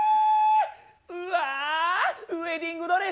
うわウエディングドレスきれい！